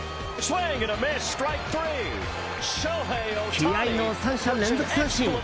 気合の３者連続三振。